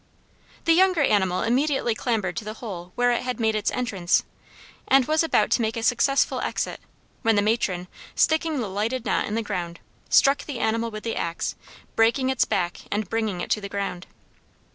The younger animal immediately clambered to the hole where it had made its entrance, and was about to make a successful exit, when the matron, sticking the lighted knot in the ground, struck the animal with the axe, breaking its back and bringing it to the ground.